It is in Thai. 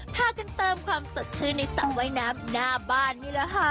พากันเติมความสดชื่นในสระว่ายน้ำหน้าบ้านนี่แหละค่ะ